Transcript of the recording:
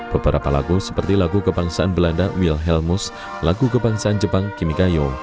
beberapa lagu seperti lagu kebangsaan belanda wilhelmus lagu kebangsaan jepang kimikayo